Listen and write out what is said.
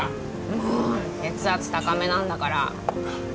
もう血圧高めなんだから！